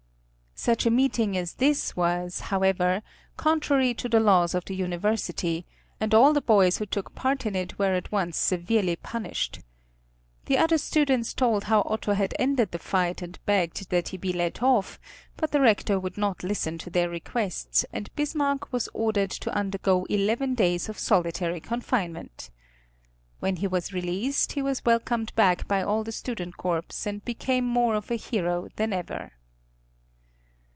Such a meeting as this was, however, contrary to the laws of the University, and all the boys who took part in it were at once severely punished. The other students told how Otto had ended the fight and begged that he be let off, but the rector would not listen to their requests, and Bismarck was ordered to undergo eleven days of solitary confinement. When he was released he was welcomed back by all the student corps, and became more of a hero than ever.